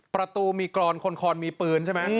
ประตูมีกรอนคนคอนมีปืนใช่ไหม